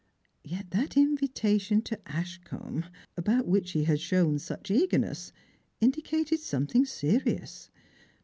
Yet that invitation toAshcombe, about which he had shown such eagerness, indicated something serious.